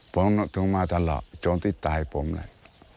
ผมนึกถึงมาตลอดจนที่ตายผมเลย